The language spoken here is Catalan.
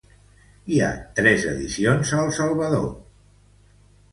Hi ha tres edicions a El Salvador.